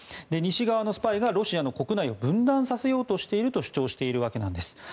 西側のスパイがロシアの国内を分断させようとしていると主張しているわけなんです。